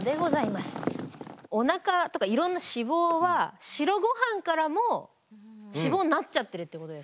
お腹とかいろんな脂肪は白ごはんからも脂肪になっちゃってるってことですか？